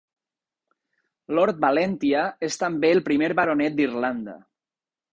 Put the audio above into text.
Lord Valentia és també el primer baronet d'Irlanda.